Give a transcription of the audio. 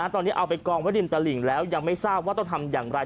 ตอนนี้เอาไปกองไว้ริมตลิ่งแล้วยังไม่ทราบว่าต้องทำอย่างไร